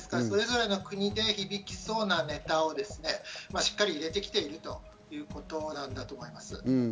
それぞれの国で響きそうなネタをしっかり入れてきているということなんだと思います。